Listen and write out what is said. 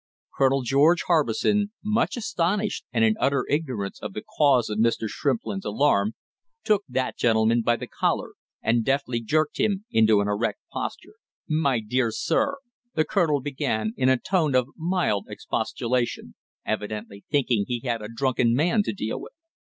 Colonel George Harbison, much astonished and in utter ignorance of the cause of Mr. Shrimplin's alarm, took that gentleman by the collar and deftly jerked him into an erect posture. "My dear sir!" the colonel began in a tone of mild expostulation, evidently thinking he had a drunken man to deal with.